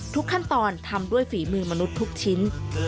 ทุกขั้นตอนทำด้วยฝีมือมนุษย์ทุกชิ้น